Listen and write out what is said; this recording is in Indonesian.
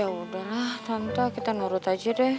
ya udahlah tante kita nurut aja deh